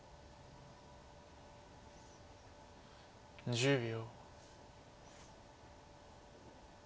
１０秒。